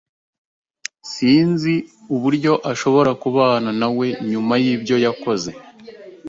Sinzi uburyo ashobora kubana nawe nyuma yibyo yakoze.